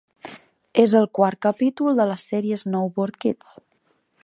És el quart capítol de la sèrie "Snowboard Kids".